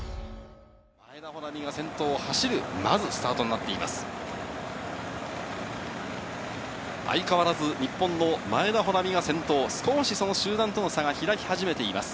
前田穂南が先頭を走る、まずスタートになっています。